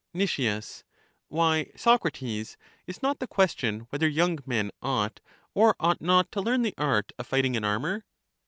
Nic, Why, Socrates, is not the question whether young men ought or ought not to learn the art of fighting in armor?